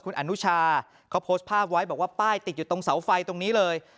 คุณอนุชาเขาโพสต์ภาพไว้บอกว่าป้ายติดอยู่ตรงเสาไฟตรงนี้เลย